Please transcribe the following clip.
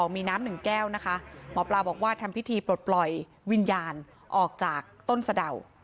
มีน้ำหนึ่งแก้วนะคะหมอปลาบอกว่าทำพิธีปลดปล่อยวิญญาณออกจากต้นสะเดา